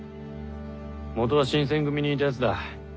元は新選組にいた奴だ。